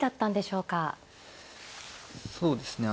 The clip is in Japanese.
そうですね